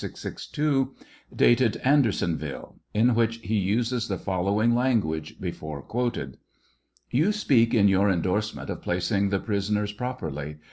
662,) dated AndersonviUe, in which he uses the following language before quoted : You speak in your indorsement of placing the prisoners properly..